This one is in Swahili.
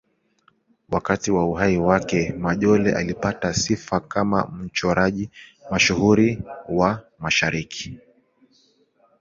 Wakati wa uhai wake, Majolle alipata sifa kama mchoraji mashuhuri wa Mashariki.